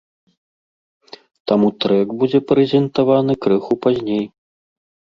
Таму трэк будзе прэзентаваны крыху пазней.